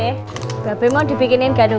hai untuk sulot